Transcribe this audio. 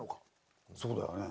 そうだよね。